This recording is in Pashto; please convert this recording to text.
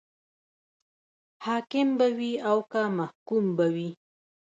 حاکم به وي او که محکوم به وي.